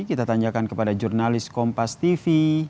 kita tanyakan kepada jurnalis kompas tv